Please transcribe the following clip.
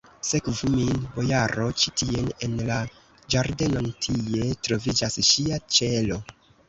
Sekvu min, bojaro, ĉi tien, en la ĝardenon: tie troviĝas ŝia ĉelo.